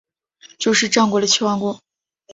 就是战国的齐桓公。